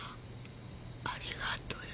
ありがとよ。